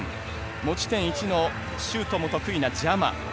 持ち点１のシュートの得意なジャマ。